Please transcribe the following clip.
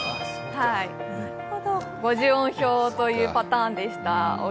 五十音表というパターンでした。